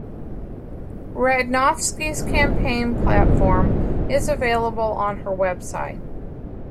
Radnofsky's campaign platform is available on her website.